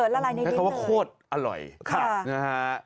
นี่คือว่าโคตรอร่อยค่ะ